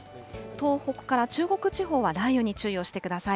東北から中国地方は雷雨に注意をしてください。